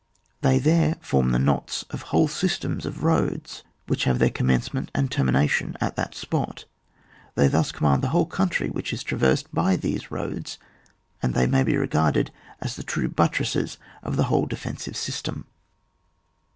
They there form the knots of whole systems of roads, which have their conmiencement and ter mination at that spot; they thus command the whole country which is traversed by these roads, and they may be regarded as the true buttresses of the whole defen* sive system.